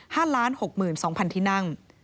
ห้าล้านหกหมื่นสองพันที่นั่ง